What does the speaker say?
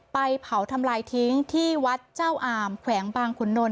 ไปเผาทำลายทิ้งที่วัดเจ้าอามแขวงบางขุนนท